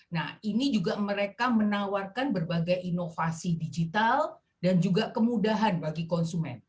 nah ini juga mereka menawarkan berbagai inovasi digital dan juga kemudahan bagi konsumen